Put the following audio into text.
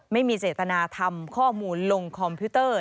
ไม่มีเจตนาทำข้อมูลลงคอมพิวเตอร์